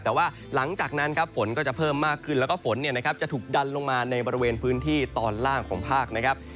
แต่ว่าหลังจากนั้นครับฝนก็จะเพิ่มมากขึ้นแล้วก็ฝนเนี่ยนะครับจะถูกดันลงมาในบริเวณพื้นที่ตอนล่างของภาคนะครับ